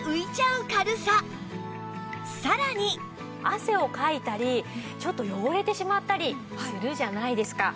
汗をかいたりちょっと汚れてしまったりするじゃないですか。